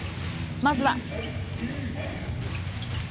まずは。